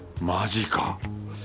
マジか